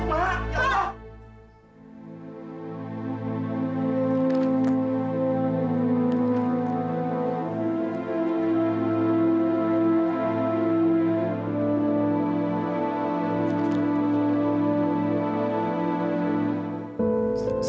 pak aku ingat pak